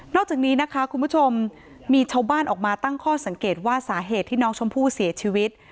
อกจากนี้นะคะคุณผู้ชมมีชาวบ้านออกมาตั้งข้อสังเกตว่าสาเหตุที่น้องชมพู่เสียชีวิต